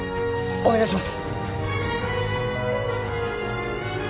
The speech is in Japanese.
お願いします